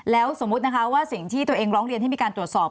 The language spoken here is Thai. แล้วสมมุตินะคะว่าสิ่งที่ตัวเองร้องเรียนให้มีการตรวจสอบ